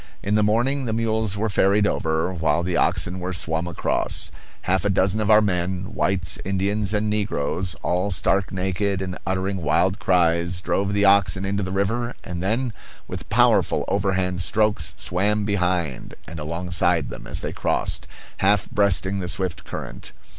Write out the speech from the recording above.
In the morning the mules were ferried over, while the oxen were swum across. Half a dozen of our men whites, Indians, and negroes, all stark naked and uttering wild cries, drove the oxen into the river and then, with powerful overhand strokes, swam behind and alongside them as they crossed, half breasting the swift current.